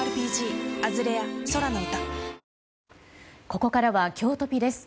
ここからはきょうトピです。